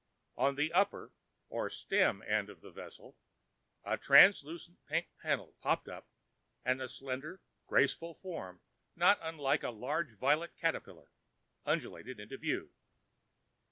On the upper, or stem end of the vessel, a translucent pink panel popped up and a slender, graceful form not unlike a large violet caterpillar undulated into view.